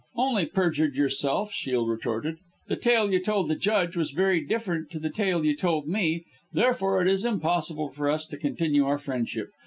"Only perjured yourself," Shiel retorted. "The tale you told the judge was very different to the tale you told me, therefore it is impossible for us to continue our friendship.